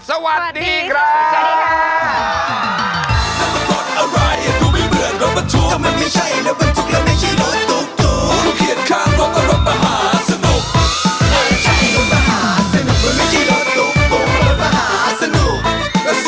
สวัสดีครับ